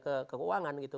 ke keuangan gitu